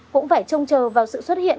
cũng phải trông chờ vào sự xuất hiện